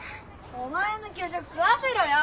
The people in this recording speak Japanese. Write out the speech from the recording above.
お前の給食食わせろよ。